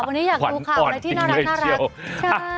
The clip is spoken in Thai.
วันนี้อยากดูข่าวอะไรที่น่ารัก